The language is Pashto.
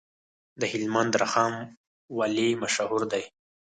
د هلمند رخام ولې مشهور دی؟